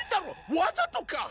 わざとか！